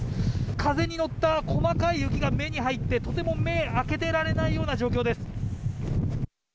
風に乗った細かい雪が目に入ってとても目を開けていられないような状況です。